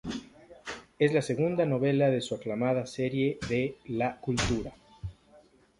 Es la segunda novela de su aclamada serie de La Cultura.